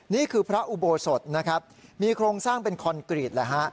นี่คือพระอุโบสถนะครับมีโครงสร้างเป็นคอนกรีตแหละฮะ